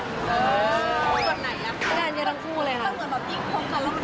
พี่แดนค่ะไม่มีใครให้ดังคู่เลยนะ